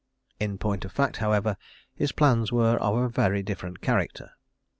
In point of fact, however, his plans were of a very different character.